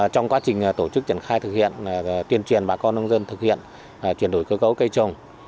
trong quá trình tổ chức triển khai thực hiện tuyên truyền bà con nông dân thực hiện chuyển đổi cơ cấu cây trồng